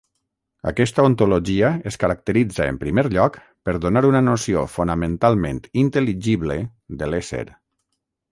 Aquesta ontologia es caracteritza en primer lloc per donar una noció fonamentalment intel·ligible de l'ésser.